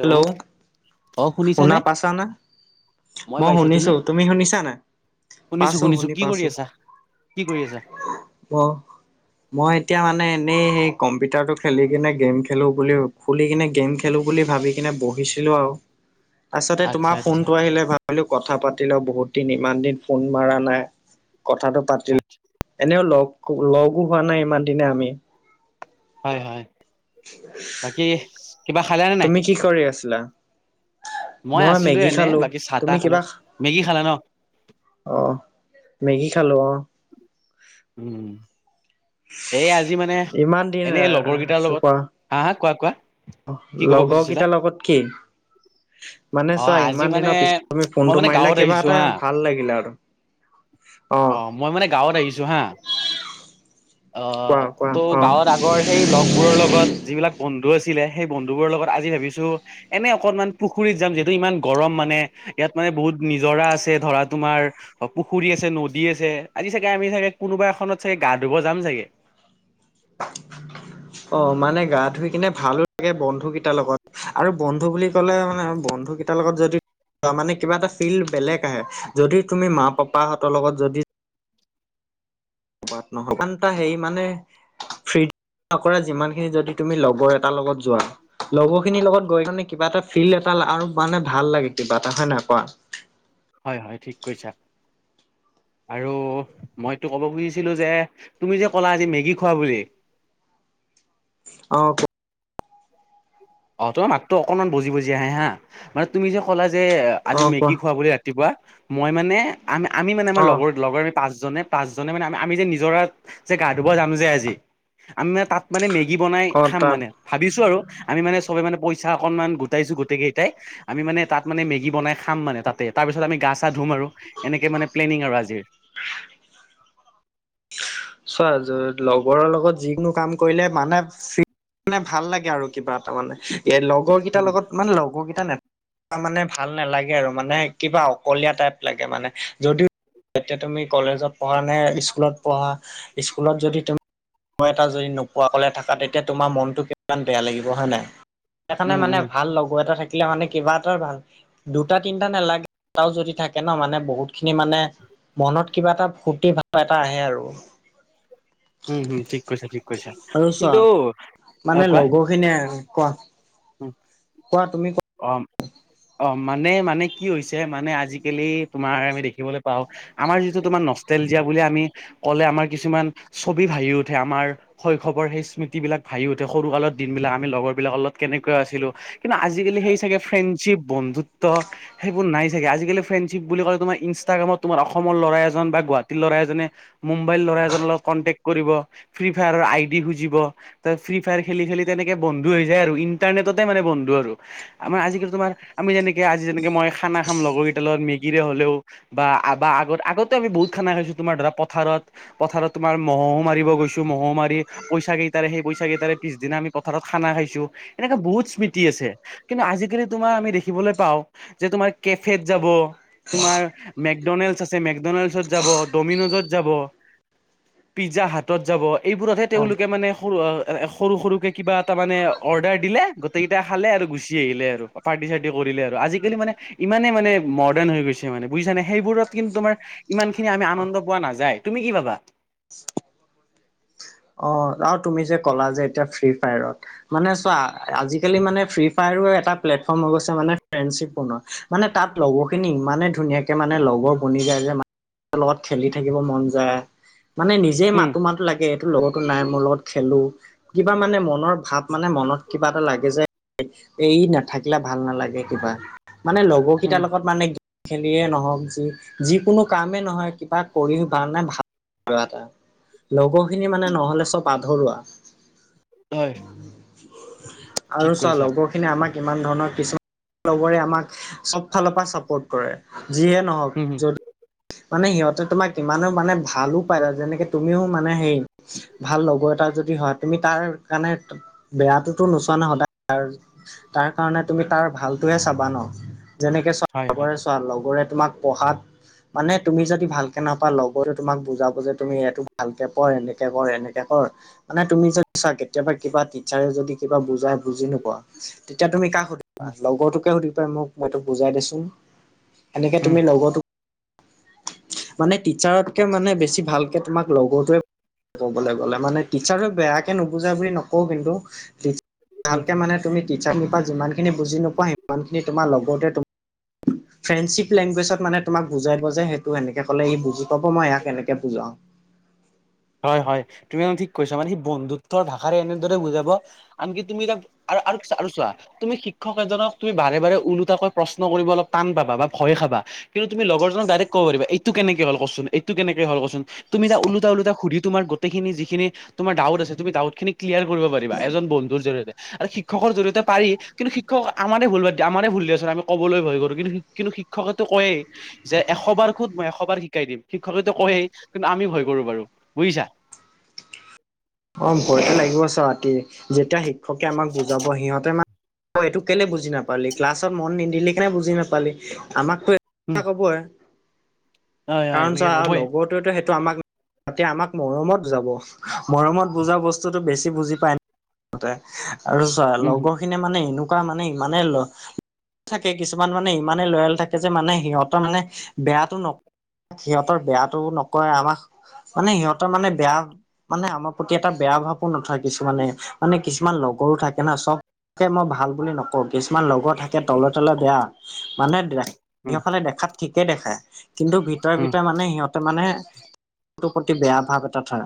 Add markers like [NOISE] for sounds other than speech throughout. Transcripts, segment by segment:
Hello অ শুনিছানে শুনা পাইছানে? মই শুনিছো তুমি শুনিছা নাই? পাইছো শুনিছো-শুনিছো, শুনি কি কৰি পাইছো। আছা? কি কৰি আছা? অ মই এতিয়া মানে এনেই সেই কম্পিউটাৰটো খেলি কিনে গেম খেলো বুলি খুলি কিনে গেম খেলোঁ বুলি ভাবি কিনে বহিছিলোঁ আৰু তাৰপাছতে আচ্ছা তোমাৰ আচ্ছা ফোনটো আহিলে ভা ভাবিলো কথা পাতি ল‌ওঁ, বহুত দিন ইমান দিন ফোন মাৰা নাই কথাটো পাতি লওঁ। আচ্ছা এনেও লগ লগো হোৱা নাই ইমান দিনে আমি হয় হয়। [INAUDIBLE] বাকী কিবা খালা নে নাই তুমি কি কৰি আছিলা? মই আছিলো মেগী এনেই, খালো। বাকী তুমি চাহ-তাহ খালো। কিবা মেগী খালা ন? অ, মেগী খালো অ। উম। এই আজি মানে ইমান দিন এনেই লগৰকেইটাৰ লগত, হা-হা কোৱা-কোৱা। লগৰকেইটাৰ লগত কি? মানে অ চোৱা আজি ইমান মানে দিনৰ পিছত তুমি মই ফোনটো মানে মাৰিলা গাঁৱত কিবা আহিছো এটা হা ভাল লাগিলে আৰু। অ। মই মানে গাঁৱত আহিছো হা। অ কোৱা কোৱা ত অ গাঁৱত আগৰ সেই লগবোৰৰ লগত যিবিলাক বন্ধু আছিলে, সেই বন্ধুবোৰৰ লগত আজি ভাবিছোঁ এনে অকনমান পুখুৰীত যাম যিহেতু ইমান গৰম মানে ইয়াত মানে বহুত নিজৰা আছে ধৰা তোমাৰ পুখুৰী আছে, নদী আছে আজি চাগে আমি চাগে কোনোবা এখনত চাগে গা ধুব যাম চাগে। [INAUDIBLE] অ মানে গা ধুই কিনে ভালো লাগে বন্ধুকেইটাৰ লগত আৰু বন্ধু বুলি কলে মানে বন্ধু কেই [UNINTELLIGIBLE] লগত যদি মানে কিবা এটা ফিল বেলেগ আহে যদি তুমি মা-পাপাহঁতৰ লগত যদি নহয় [UNINTELLIGIBLE] সিমান এটা হেৰি মানে ফ্ৰী নকৰে যিমানখিনি যদি তুমি লগৰ এটাৰ লগত যোৱা। লগৰখিনিৰ লগত গৈ মানে কিবা এটা ফিল এটা আৰু মানে ভাল লাগে কিবা এটা। হয় নহয় কোৱা? হয়-হয়, ঠিক কৈছা। আৰু মইতো ক'ব খুজিছিলোঁ যে, তুমি যে ক'লা আজি মেগী খোৱা বুলি অ অ তোমাৰ মাতটো অকনমান বজি-বজি আহে হা, মানে তুমি যে কলা যে অ আজি কোৱা মেগী খুৱা বুলি ৰাতিপুৱা। মই মানে আমি আমি মানে আমাৰ অ লগৰ লগৰ পাঁচজনে পাঁচজনে মানে আমি যে নিজৰাত যে গা ধুব যাম যে, আজি আমি মানে তাত মানে মেগী বনাই অ খাম তাত মানে ভাবিছো আৰু আমি মানে চবেই মানে পইচা অণমান গোটাইছোঁ গোটেই কেইটা আমি মানে তাত মানে মেগী বনাই খাম মানে তাতে, তাৰপিছত আমি গা-চা ধুম আৰু। এনেকে মানে প্লেনিং আৰু আজিৰ। চোৱা য লগৰৰ লগত যিকোনো কাম কৰিলে মানে ফ্ৰী মানে ভাল লাগে আৰু কিবা এটা মানে। এ লগৰ উম কেইটাৰ লগত মানে লগৰ কেইটা নে মানে ভাল নালাগে আৰু মানে কিবা অকলীয়া টাইপ লাগে মানে। যদিও এতিয়া তুমি কলেজত পঢ়া নে স্কুলত পঢ়া, স্কুলত যদি তুমি লগৰ এটা যদি নোপোৱা অকলে থকা তেতিয়া তোমাৰ মনটো কিমান বেয়া লাগিব হয় নাই। সেইকাৰণে উম মানে উম ভাল লগৰ এটা থাকিলে মানে কিবা এটা ভাল দুটা-তিনিটা নেলাগে এটাও যদি থাকে ন মানে বহুত খিনি মানে মনত কিবা এটা ফূৰ্তি ভাৱ এটা আহে আৰু। উম হুম ঠিক কৈছা, ঠিক কৈছা। আৰু চোৱা কিন্তু মানে লগৰ খিনিয়ে, কোৱা। উ। কোৱা তুমি কো [INAUDIBLE] অ মানে মানে কি হৈছে মানে আজিকালি তোমাৰ আমি দেখিবলৈ পাওঁ আমাৰ যিটো তোমাৰ নষ্টেলজীয়া বুলি আমি কলে আমাৰ কিছুমান ছবি ভাহি উঠে আমাৰ শৈশৱৰ সেই স্মৃতি বিলাক ভাবি উঠে সৰু কালৰ দিনবিলাক আমি লগৰ বিলাক অলপ কেনেকৈ আছিলো কিন্তু আজিকালি সেই চাগে ফ্ৰেশিপ বন্ধুত্ব সেইবোৰ নাই চাগে আজিকালি ফ্ৰেণ্ডশিপ বুলি ক'লে তোমাৰ ইনষ্টাগ্ৰামত তোমাৰ অসমৰ ল'ৰা এজন বা গুৱাহাটীৰ ল'ৰা এজনে মুম্বাই লৰা এজনৰ লগত কনক্টে কৰিব ফ্ৰী ফায়াৰৰ আই ডি খুজিব ত ফ্ৰী ফায়াৰ খেলি খেলি তেনেকে বন্ধ হৈ যায় আৰু ইণ্টাৰনেটতে মানে বন্ধু আৰু আমাৰ আজিকালি তোমাৰ আমি যেনেকে আজি যেনেকে মই খানা খাম লগৰ কেইটাৰ লগত মেগীৰে হলেও। বা বা আগত আগতে আমি বহুত খানা খাইছো তোমাৰ ধৰা পথাৰত। পথাৰত তোমাৰ ম'হ মাৰিব গৈছো ম'হ মাৰি পইচা কেইটাৰে সেই পইচা কেইটাৰে পিছদিনা আমি পথাৰত খানা খাইছো এনেকে বহুত স্মৃতি আছে। কিন্তু আজিকালি তোমাৰ আমি দেখিবলৈ পাও যে তোমাৰ কেফেত যাব তোমাৰ মেকডনেল্ডছ আছে মেকডনেল্ডছ যাব ডমিন'জত যাব। পিজ্জা হাতত যাব এইবোৰতহে অ তেওঁলোকে মানে সৰু সৰু সৰুকৈ কিবা এটা মানে অৰ্ডাৰ দিলে গোটেইকেইটা খালে আৰু গুচি আহিলে আৰু পাৰ্টি চাৰ্টি কৰিলে আৰু আজিকালি মানে ইমানে মানে মডাৰ্ণ হৈ গৈছে মানে বুজিছা নে সেইবোৰত কিন্তু তোমাৰ। ইমান খিনি আমি আনন্দ পোৱা নাযায় তুমি কি ভাবা অ আৰু তুমি যে ক'লা যে এতিয়া ফ্ৰী ফায়াৰত মানে চোৱা আজিকালি মানে ফ্ৰী ফায়াৰত তাৰো এটা প্লেটফৰ্ম হৈ গৈছে মানে ফ্ৰেণ্ডশ্বিপ বোনোৱা মানে তাত লগৰ খিনি ইমানে ধুনীয়াকে মানে লগৰ বনি যায় যে মানুহৰ লগত খেলি থাকিব মন যায় মানে নিজেই নিজেই উম মাতো মাতো লাগে এইটো লগৰতো নাই মোৰ লগত খেলো কিবা মানে মনৰ ভাৱ মানে মনত কিবা এটা লাগে যে এই নাথাকিলে ভাল নালাগে কিবা মানে লগৰ কেইটাৰ উম লগত মানে খেলিয়ে নহক যি যিকোনো কামেই নহয় কিবা কৰি ভাল নে ভাল লগৰখিনি মানে নহ'লে চব আধৰুৱা। হয় ঠিক আৰু চোৱা কৈছা লগৰ খিনি আমাক ইমান ধৰণৰ কিছুমান লগৰে আমাক চব ফালৰ পৰা চাপোৰ্ট কৰে। যিহে নহওক উম যদি। মানে সিহঁতে তোমাক ইমানো মানে ভালো পায় যেনেকে তুমিও মানে হেৰি ভাল লগৰ এটা যদি হয় তুমি তাৰ কাৰণে বেয়াটোতো নোচোৱা নাই সদায় ত তাৰ কাৰণে তুমি তাৰ ভালটোহে চাবা ন। যেনেকৈ চোৱা, হয় হয় লগৰে চোৱা লগৰে তোমাক পঢ়াত- মানে তুমি যদি ভালকে নাপা লগৰটোয়ে তোমাক বুজাব যে তুমি এইটো ভালকে কৰ, এনেকে কৰ, এনেকে কৰ। মানে তুমি যদি চা কেতিয়াবা কিবা টিচাৰে যদি কিবা বুজাই বুজি নোপোৱা, তেতিয়া তুমি কাক- সুধিবা উম লগৰটোক হে সুধিবা, মোক মই তোক বুজাই দেচোন, এনেকে উম তুমি লগৰটোক - মানে টিচাৰতকে মানে বেছি ভালকে তোমাক লগৰটোৱে- ক'ব গ'লে মানে টিচাৰক বেয়াকে নুবুজাই বুলি নকওঁ কিন্তু- উম ভালকে মানে তুমি টিচাৰ্ পৰা যিমানখিনি বুজি নোপোৱা সিমানখিনি তোমাৰ লগৰটোৱে- ফ্ৰেণ্ড্বিপ লেংগুৱেজত মানে তোমাক বুজাই দিব যে সে- তো এনেকে ক'লে ই বুজি পাব, মই ইয়াক এনেকে বুজাও। হয় হয়, তুমি ঠিক কৈছা মানে সি বন্ধুত্বৰ ভাষাৰে এনেদৰে বুজাব আনকি তুমি তাক- আৰু আৰু আৰু চোৱা- তুমি শিক্ষক এজনক তুমি বাৰে বাৰে ওলোটাকৈ প্ৰশ্ন কৰিব অলপ টান পাবা বা ভয় খাবা। কিন্তু তুমি লগৰজনক ডাইৰেক্ কব পাৰিবা এইটো কেনেকে হ'ল কচোন, এইটো কেনেকে হ'ল কচোন, তুমি তাক ওলোটা ওলোটা - সুধি তোমাৰ গোটেইখিনি যিখিনি তোমাৰ ডাউট আছে, তুমি ডাউট খিনি ক্লিয়াৰ কৰিব পাৰিবা এজন বন্ধুৰ জৰিয়তে। আৰু শিক্ষকৰ জৰিয়তে পাৰি, কিন্তু শিক্ষক আমাৰে ভুল বাদ দি আমাৰে ভুল দিয়াচোন, আমি ক'বলৈ ভয় কৰো। কিন্তু কিন্তু শি শিক্ষকেতো কয়েই যে এশ বাৰ সোধ মই এশ বাৰ শিকাই দিম, শিক্ষকেতো কৈয়েই কিন্তু আমি ভয় কৰো বাৰু বুজিছা। অঁ ভয়তো লাগিব চোৱা কি, যেতিয়া শিক্ষকে আমাক বুজাব সিহঁতে মানে এইটো কেলে বুজি নাপালি, ক্লাছত মন নিদিলি কেনে বুজি নাপালি। আমাক- টো এইটো উম, কথা কবই, হয় হয় কাৰণ এনেকে চোৱা আৰু কবই। লগৰ- তোৱেটো সেইটো আমাক তাতে আমাক মৰমত বুজাব। মৰমত বুজা বস্তুটো বেছি বুজি পায় ন তাতে। আৰু চোৱা উম, লগৰ- খিনিয়ে মানে এনেকুৱা মানে ইমানে ল থাকে কিছুমান মানে ইমানে লয়েল থাকে যে মানে সিহঁতৰ মানে বেয়াটো নক- সিহঁতৰ বেয়াটো নকৰে, আমাক মানে সিহঁতৰ মানে বেয়া- মানে আমাৰ প্ৰতি এটা বেয়া ভাৱো নথয় কিছুমানে, মানে কিছুমান লগৰো থাকে না। চ'ব- কে মই ভাল বুলি নকওঁ। কিছুমান লগৰ থাকে তলে তলে বেয়া, মানে উম, সেইসকলে দেখাত ঠিকে দেখাই। কিন্তু ভিতৰে উম, ভিতৰে মানে সিহঁতে মানে প্ৰতি বেয়া ভাৱ এটা থয়।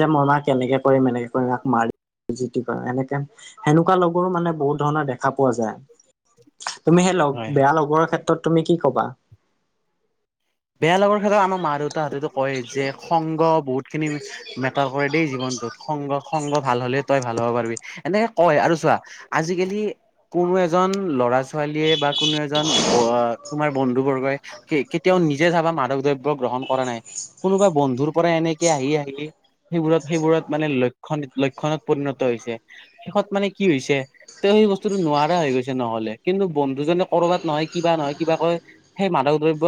যে মই ইয়াক এনেকে কৰিম, এনেকে কৰিম, ইয়াক মাৰিম যিতি কৰিম এনেকে- সেনেকুৱা লগৰো মানে বহুত ধৰণৰ দেখা পোৱা যায়। তুমি সেই লগ হয় হয়। বেয়া লগৰ ক্ষেত্ৰত তুমি কি ক'বা? বেয়া লগৰ ক্ষেত্ৰত আমাৰ মা দেউতাহঁতেতো কয় যে সংঘ বহুত খিনি মেটাৰ কৰে দেই জীৱনটোত। সংগ সংগ ভাল হ'লে তই ভাল হ'ব পাৰিবি এনেকে কয়, আৰু চোৱা আজিকালি- কোনো এজন ল'ৰা ছো- ছোৱালীয়ে বা কোনো এজন তোমাৰ বন্ধু বৰ্গই কেতিয়াও নি- যে চাবা মাদক দ্ৰব্য গ্ৰহণ কৰা নাই, কোনোবা বন্ধুৰ পৰা এনেকে আহি আহি- সেইবোৰত সেইবোৰত মানে লক্ষণ লক্ষণত পৰিণত হৈছে, শেষত মানে কি হৈছে- ত' সেই বস্তুটো নোৱাৰা হৈ গৈছে নহ'লে। কিন্তু বন্ধুজনে কৰবাত নহয় কিবা নহয় কিবা কৈ- সেই মাদক দ্ৰব্য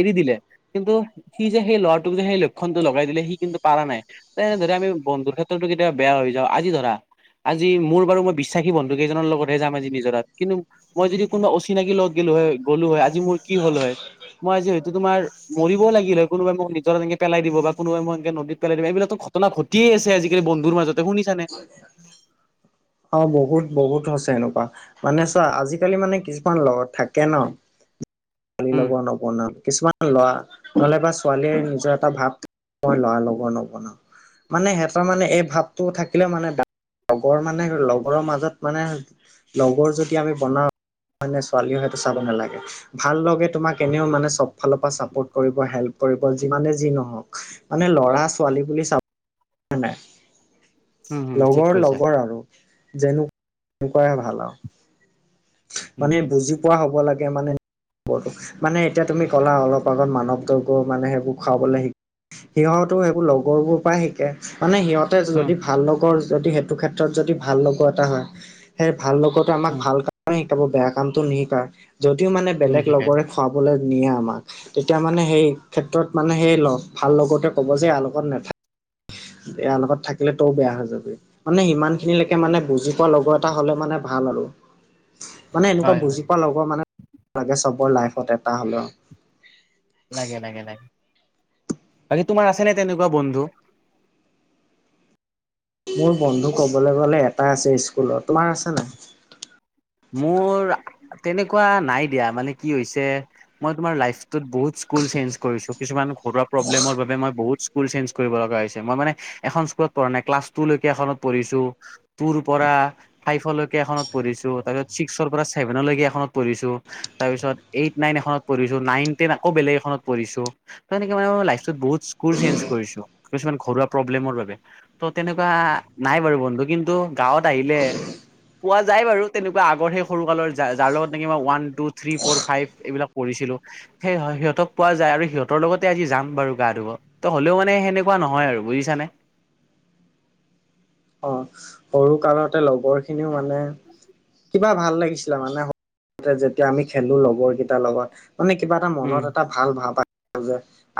এৰি দিলে- কিন্তু সি যে সেই ল'ৰাটোক যে সেই লক্ষণটো লগাই দিলে সি কিন্তু পাৰা নাই। এনে দৰে আমি বন্ধুৰ ক্ষেত্ৰতো কেতিয়াবা বেয়া হৈ যাওঁ, আজি ধৰা- আজি মোৰ বাৰু মই বিশ্বাসী বন্ধু কেইজনৰ লগতহে যাম আজি নিজৰাত। কিন্তু- মই যদি কোনোবা অচিনাকি লগত গ'লো হয়, গ'লো হয় আজি মোৰ কি হ'ল হয়? মই আজি হয়তো তোমাৰ মৰিবই লাগিল হয়, কোনোবাই মোক নিজৰাত এনেকে পেলাই দিব বা কোনোবাই মই এনেকে নদীত পেলাই দিব, এইবিলাকতো- ঘটনা ঘটিয়েই আছে আজিকালি বন্ধুৰ মাজতে শুনিছানে। অঁ, বহুত বহুত হৈছে এনেকুৱা, মানে চোৱা আজিকালি মানে কিছুমান লগত থাকে ন। খালী উম, লগৰ নবনাও, কিছুমান- ল'ৰা হ'লে বা ছোৱালীৰ নিজৰ এটা ভাৱ মই ল'ৰা লগৰ নবনাও। মানে সিহঁতৰ মানে এই ভাৱটো থাকিলে বেয়া, মানে লগৰ মানে লগৰৰ মাজত মানে লগৰ যদি আমি বনাওঁ ল'ৰা নে ছোৱালী হয় তই চাব নেলাগে। ভাল লগে তোমাক এনেও মানে চব ফালৰ পৰা চাপৰ্ট কৰিব হেল্প কৰিব যিমানে যি নহওঁক। মানে ল'ৰা ছোৱালী বুলি চা বলৈ নাই, হুম, হুম, ঠিক লগৰ কৈছা। লগৰ আৰু যেনেকুৱাই ভাল আৰু। উম, মানে বুজি পোৱা হ'ব লাগে মানে লগৰটো। মানে এতিয়া তুমি ক'লা অলপ আগত মাদকদ্ৰব্য মানে সেইবোৰ খুৱাবলৈ শিকি সিহঁতো সেইবোৰ লগৰবোৰৰ পৰাই শিকে। মানে সিহঁত তে হুম, যদি ভাল লগৰ যদি সেইটো ক্ষেত্ৰত যদি ভাল লগৰ এটা হয়‌ সেই ভাল লগৰ তো আমাক হুম, ভাল কামে শিকাব বেয়া কামটো নিশিকায় যদিও মানে হুম, বেলেগ লগৰে খুৱাবলে নিয়ে আমাক তেতিয়া মানে সেই ক্ষেত্ৰত মানে সেই ভাল লগতোৱে ক'ব যে এয়া লগত নেথা- ইয়াৰ লগত থাকিলে তই ও বেয়া হৈ যাবি মানে ইমান খিনিলেকে মানে বুজি পোৱা লগৰ এটা হলে মানে ভাল আৰু। মানে এনেকুৱা হয়, হয়, বুজি পোৱা লগৰ মানে লাগে চবৰ লাইফত এটা হলেও লাগে লাগে লাগে বাকী তোমাৰ আছে নে তেনেকুৱা বন্ধু মোৰ বন্ধু ক'বলে গ'লে এটা আছে স্কুলত তোমাৰ আছে নাই মোৰ তেনেকুৱা নাই দিয়া মানে কি হৈছে মই তোমাৰ লাইফটোত বহুত স্কুল চেইঞ্চ কৰিছো কিছুমান ঘৰুৱা প্ৰব্লেমৰ বাবে মই বহুত স্কুল চেঞ্জ কৰিব লগা হৈছে মই মানে এখন স্কুলত পঢ়া নাই‌ ক্লাছ টু লৈকে এখনত পঢ়িছো টুৰ পৰা ফাইভলৈকে এখনত পঢ়িছো, তাৰ পিছত ছিক্সৰ পৰা চেভেনলৈকে এখনত পঢ়িছো তাৰ পিছত এইট নাইন এখনত পঢ়িছো নাইন টেন আকৌ বেলেগ এখনত পঢ়িছো, তাৰ মানে কি মানে মই লাইফটোত বহুত স্কুল চেঞ্জ কৰিছো কিছুমান ঘৰুৱা প্ৰব্লেমৰ বাবে। ত' তেনেকুৱা নাই বাৰু বন্ধু কিন্তু গাঁৱত আহিলে পোৱা যায় বাৰু। তেনেকুৱা আগৰ সেই সৰু কালৰ যা যাৰ লগত নেকি মই one, two, three, four, five এইবিলাক পঢ়িছিলো সেই সিহঁতক পোৱা যায় আৰু সিহঁতৰ লগতে আজি যাম বাৰু গা ধুব ত হলেও মানে সেনেকুৱা নহয় আৰু বুজিছানে অ সৰু কালতে লগৰ খিনিও মানে কিবা ভাল লাগিছিলে মানে সৰুতে যেতিয়া আমি খেলো লগৰ কেইটাৰ লগত মানে কিবা এটা মনত এটা ভাল ভাল পাত যে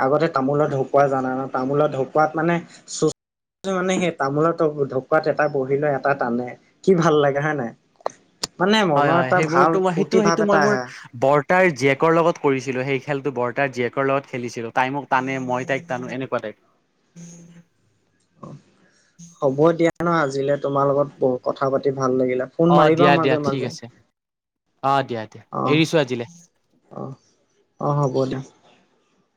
আগতে তামোলৰ ঢকুৱা জানা নে তামোলৰ ঢকুৱাত মানে চু- মানে সেই তামোলৰ ঢকুৱাত এটা বহি লৈ এটা টানে কি ভাল লাগে হয় নাই মানে হয় মনৰ হয় এটা সেইবোৰতো ভাল মই সেইটো ফূৰ্তি সেইটো ভাৱ মই এটা মোৰ আহে বৰ্তাৰ জীয়েকৰ লগত কৰিছিলোঁ সেই খেলটো বৰ্তাৰ জীয়েকৰ লগত খেলিছিলোঁ তাই মোক তানে মই তাইক টানো এনেকুৱা টাইপ হ'ব দিয়া ন আজিলৈ তোমাৰ লগত বহুত কথা পাতি ভাল লাগিলে ফোন অ মাৰিবা দিয়া দিয়া মাজে ঠিক মাজে আছে অ দিয়া দিয়া অ এৰিছো আজিলে অ অ হ'ব দিয়ক